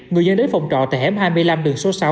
người dân đến phòng trọ tại hẻm hai mươi năm đường số sáu